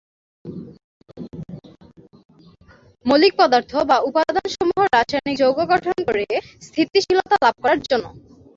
মৌলিক পদার্থ বা উপাদান সমূহ রাসায়নিক যৌগ গঠন করে স্থিতিশীলতা লাভ করার জন্য।